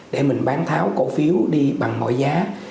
để mình bán tháo cổ phiếu đi bằng mọi giá